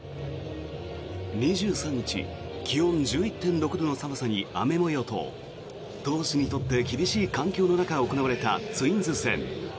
２３日、気温１１．６度の寒さに雨模様と投手にとって厳しい環境の中、行われたツインズ戦。